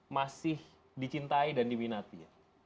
masih dicintai dan diminati